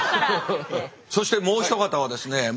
そしてもう一方はですね